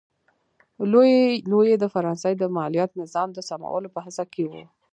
لويي د فرانسې د مالیاتي نظام د سمولو په هڅه کې و.